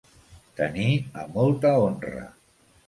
Tenir a molta honra.